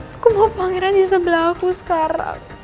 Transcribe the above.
aku mau panggilan di sebelah aku sekarang